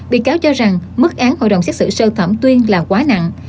bị cáo cho rằng mức án hội đồng xét xử sơ thẩm tuyên là quá nặng